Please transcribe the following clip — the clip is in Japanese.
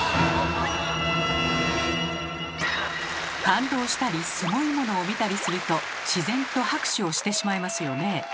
感動したりすごいものを見たりすると自然と拍手をしてしまいますよね。